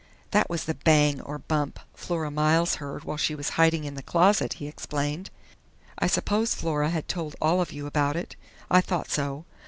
"That was the 'bang or bump' Flora Miles heard while she was hiding in the closet," he explained. "I suppose Flora has told all of you about it?... I thought so.